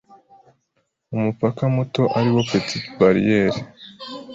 Umupaka muto ariwo petite barriere